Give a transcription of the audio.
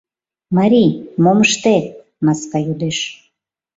— Марий, мом ыштет? — маска йодеш.